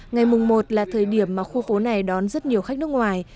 ngày mùng một là thời điểm mà khu phố này đón rất nhiều khách nước ngoài